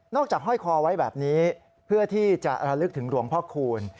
จากห้อยคอไว้แบบนี้เพื่อที่จะระลึกถึงหลวงพ่อคูณ